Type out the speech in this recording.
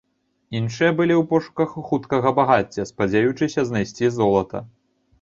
Іншыя былі ў пошуках хуткага багацця, спадзяючыся знайсці золата.